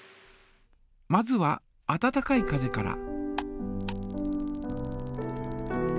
まずは温かい風から。